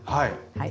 はい。